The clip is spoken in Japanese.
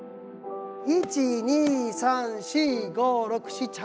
１２３４５６７８。